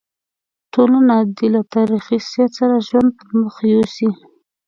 ټولنه دې له تاریخي سیر سره ژوند پر مخ یوسي.